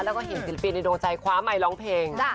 แล้วก็เห็นศิลปินในดวงใจคว้าไมค์ร้องเพลง